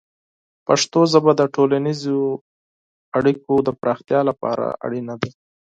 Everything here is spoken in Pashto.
پښتو ژبه د ټولنیزو اړیکو د پراختیا لپاره اړینه ده.